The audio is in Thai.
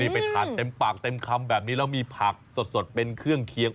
ไปทานเต็มปากเต็มคำแบบนี้แล้วมีผักสดเป็นเครื่องเคียง